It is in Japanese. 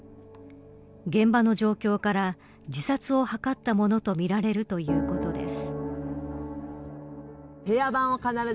現場の状況から自殺を図ったものとみられるということです。